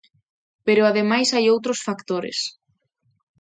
Pero ademais hai outros factores.